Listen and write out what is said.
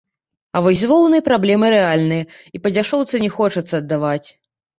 А вось з воўнай праблемы рэальныя, і па дзяшоўцы не хочацца аддаваць.